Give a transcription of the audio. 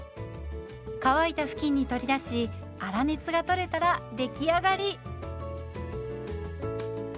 乾いた布巾に取り出し粗熱が取れたら出来上がり。